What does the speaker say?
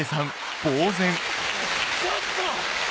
ちょっと！